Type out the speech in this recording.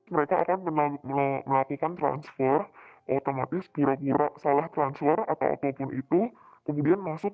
mereka akan melakukan transfer otomatis pura pura salah transfer atau apapun itu kemudian masuk